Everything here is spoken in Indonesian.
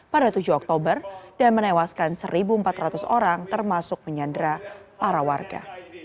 pada tujuh oktober dan menewaskan satu empat ratus orang termasuk menyandera para warga